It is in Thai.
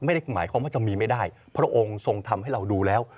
ไม่ได้หมายความว่าจะมีไม่ได้พระองค์ทรงทำให้เราดูแล้ว